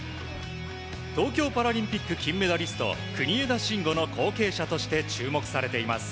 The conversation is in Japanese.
東京パラリンピック金メダリスト国枝慎吾の後継者として注目されています。